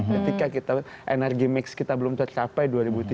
ketika kita energi mix kita belum tercapai dua ribu tiga puluh